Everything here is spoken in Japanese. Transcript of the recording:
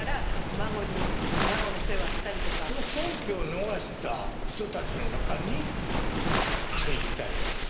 その婚期を逃した人たちの中に入りたいです。